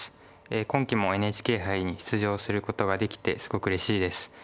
今期もＮＨＫ杯に出場することができてすごくうれしいです。